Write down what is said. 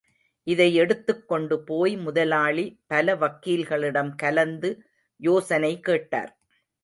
இதை எடுத்துக்கொண்டு போய் முதலாளி பல வக்கீல்களிடம் கலந்து யோசனை கேட்டார்.